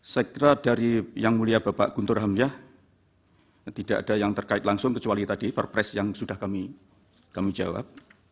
saya kira dari yang mulia bapak guntur hamyah tidak ada yang terkait langsung kecuali tadi perpres yang sudah kami jawab